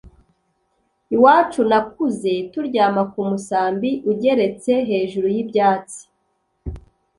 Iwacu nakuze turyama ku musambi ugeretse hejuru y’ibyatsi